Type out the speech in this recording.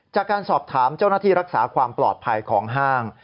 จากการสอบถามเจ้าหน้าที่รักษาความปลอดภัยของห้าง